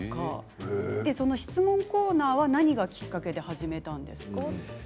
その質問コーナーは何がきっかけで始めたんですか？